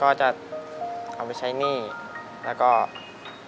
โดยโปรแกรมแม่รักลูกมาก